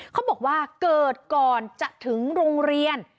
เขาบอกว่าเกิดก่อนจะถึงโรงเรียน